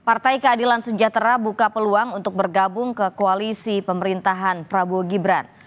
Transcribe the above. partai keadilan sejahtera buka peluang untuk bergabung ke koalisi pemerintahan prabowo gibran